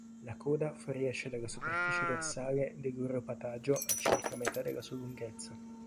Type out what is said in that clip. La coda fuoriesce dalla superficie dorsale dell'uropatagio a circa metà della sua lunghezza.